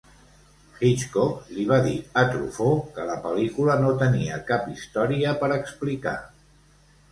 Hitchcock li va dir a Truffaut que "La pel·lícula no tenia cap història per explicar".